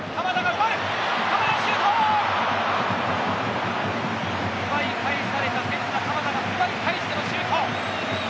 奪い返された刹那、鎌田が奪い返してのシュート。